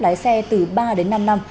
lái xe từ ba đến năm năm